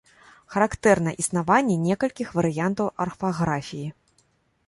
Характэрна існаванне некалькіх варыянтаў арфаграфіі.